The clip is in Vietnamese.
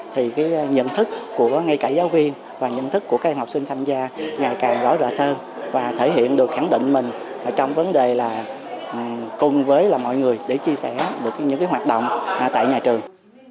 thì nhận thức của ngay cả giáo viên và nhận thức của các học sinh tham gia ngày càng rõ rỡ thơ và thể hiện được khẳng định mình trong vấn đề cùng với mọi người để chia sẻ được những hoạt động tại nhà trường